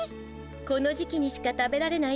この時期にしか食べられない